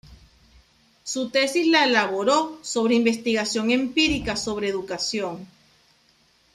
Su tesis la elaboró sobre investigación empírica sobre educación.